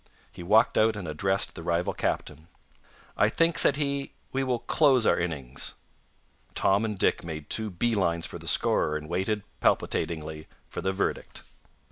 He walked out and addressed the rival captain. "I think," said he, "we will close our innings." Tom and Dick made two bee lines for the scorer and waited palpitatingly for the verdict.